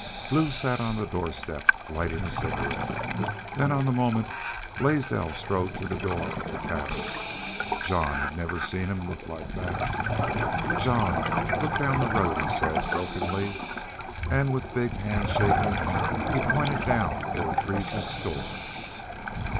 Blue sat on the doorstep, lighting a cigarette. Then on the moment Blaisdell strode to the door of the cabin. Jean had never seen him look like that. "Jean look down the road," he said, brokenly, and with big hand shaking he pointed down toward Greaves's store.